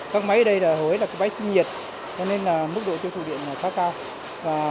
các máy ở đây hồi ấy là cái máy sinh nhiệt cho nên mức độ tiêu thụ điện khá cao